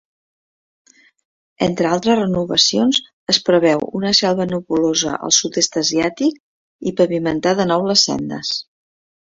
Entre altres renovacions, es preveu una selva nebulosa del sud-est asiàtic i pavimentar de nou les sendes.